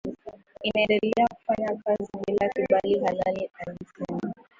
inaendelea kufanya kazi bila kibali halali alisema